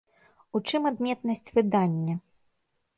У чым адметнасць выдання?